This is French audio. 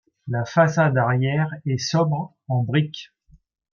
La façade arrière est sobre, en briques.